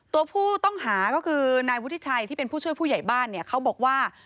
ตัวผู้ต้องหาก็คือนายวุฒิชัยที่เป็นผู้ช่วยผู้ใหญ่บ้านเนี่ยเขาบอกว่า